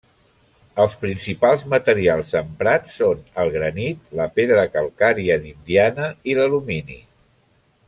Els principals materials emprats són el granit, la pedra calcària d'Indiana i l'alumini.